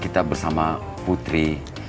kita bersama putri